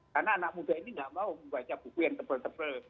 karena anak muda ini ga mau membaca buku yang tebal tebal